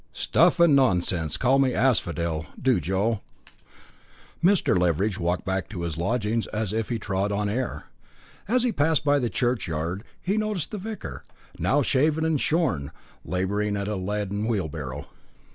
"Stuff and nonsense. Call me Asphodel, do Joe." Mr. Leveridge walked back to his lodgings as if he trod on air. As he passed by the churchyard, he noticed the vicar, now shaven and shorn, labouring at a laden wheelbarrow.